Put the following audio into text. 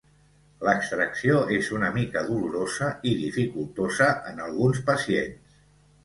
L'extracció és una mica dolorosa i dificultosa en alguns pacients.